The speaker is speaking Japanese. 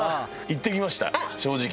行ってきました正直。